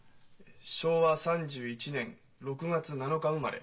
昭和３１年６月７日生まれ。